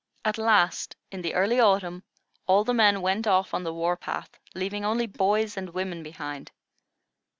At last, in the early autumn, all the men went off on the war path, leaving only boys and women behind.